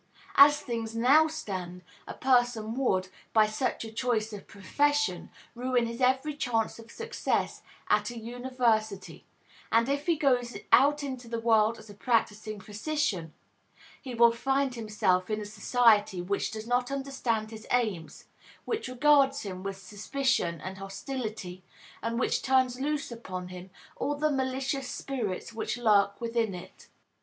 As things now stand, a person would, by such a choice of profession, ruin his every chance of success at a university, and if he goes out into the world as a practicing physician, he will find himself in a society which does not understand his aims, which regards him with suspicion and hostility, and which turns loose upon him all the malicious spirits which lurk within it.